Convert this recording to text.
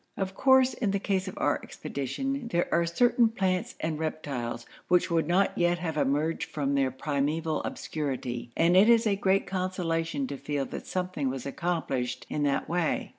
Of course, in the case of our expedition, there are certain plants and reptiles which would not yet have emerged from their primeval obscurity, and it is a great consolation to feel that something was accomplished in that way.